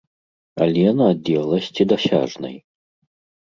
Але на адлегласці дасяжнай.